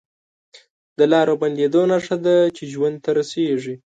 د لارو بندېدو نښه ده چې ژوند ته رسېږي